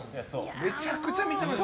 めちゃくちゃ見てました。